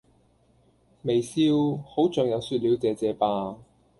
微笑...好像又說了謝謝吧